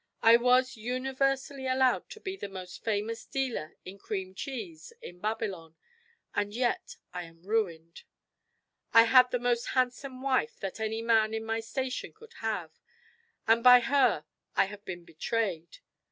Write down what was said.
I was universally allowed to be the most famous dealer in cream cheese in Babylon, and yet I am ruined. I had the most handsome wife that any man in my station could have; and by her I have been betrayed.